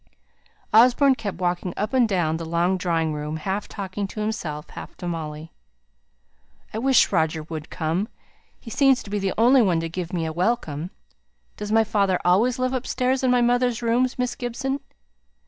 Osborne kept walking up and down the long drawing room, half talking to himself, half to Molly. "I wish Roger would come. He seems to be the only one to give me a welcome. Does my father always live upstairs in my mother's rooms, Miss Gibson?"